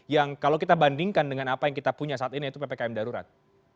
yang kalau kita bandingkan dengan apa yang kita punya saat ini yaitu ppkm darurat